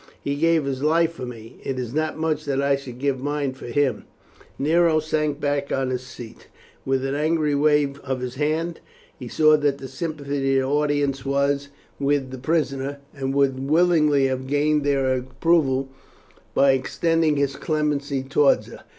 He gave His life for me it is not much that I should give mine for Him." Nero sank back on his seat with an angry wave of his hand. He saw that the sympathy of the audience was with the prisoner, and would willingly have gained their approval by extending his clemency towards her.